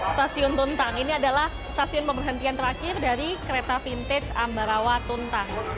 stasiun tuntang ini adalah stasiun pemberhentian terakhir dari kereta vintage ambarawa tuntang